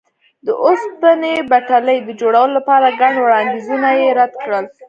د اوسپنې پټلۍ د جوړولو لپاره ګڼ وړاندیزونه یې رد کړل.